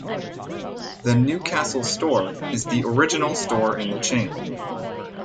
The Newcastle store is the original store in the chain.